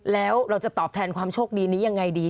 แล้วเราจะตอบแทนความโชคดีนี้ยังไงดี